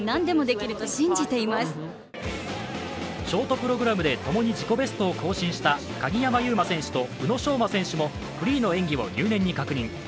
ショートプログラムで共に自己ベストを更新した鍵山優真選手と宇野昌磨選手も、フリーの演技を入念に確認。